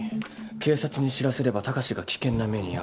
警察に知らせれば孝が危険な目に遭う。